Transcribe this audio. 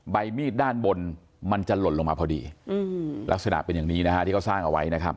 ใบมีดด้านบนมันจะหล่นลงมาพอดีลักษณะเป็นอย่างนี้นะฮะที่เขาสร้างเอาไว้นะครับ